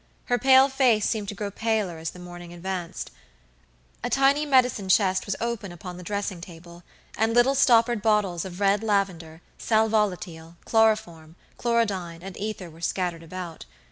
Her pale face seemed to grow paler as the morning advanced. A tiny medicine chest was open upon the dressing table, and little stoppered bottles of red lavender, sal volatile, chloroform, chlorodyne, and ether were scattered about.